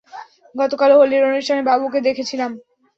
গতকাল হোলির অনুষ্ঠানে বাবুকে দেখেছিলাম।